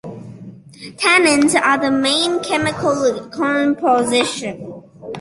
Tannins are the main chemical composition.